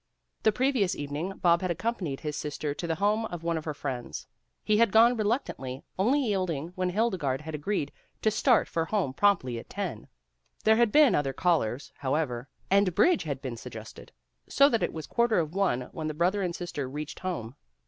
The previous evening Bob had accompanied his sis ter to the home of one of her friends. He had gone reluctantly, only yielding when Hildegarde had agreed to start for home promptly at ten. There had been other callers, however, and bridge had been suggested, so that it was quarter of one when the brother and sister reached home.